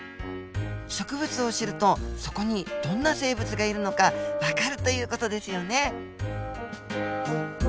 植物を知るとそこにどんな生物がいるのかわかるという事ですよね。